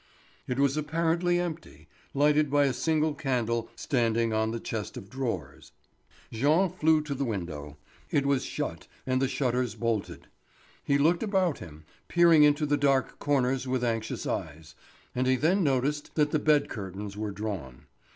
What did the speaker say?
It was apparently empty, lighted by a single candle standing on the chest of drawers. Jean flew to the window; it was shut and the shutters bolted. He looked about him, peering into the dark corners with anxious eyes, and he then noticed that the bed curtains were drawn.